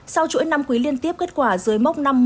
sau chuỗi năm quý liên tiếp kết quả dưới mốc năm mươi